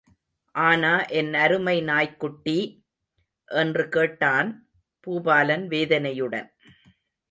ஆனா என் அருமை நாய்க்குட்டி...? என்று கேட்டான் பூபாலன் வேதனையுடன்.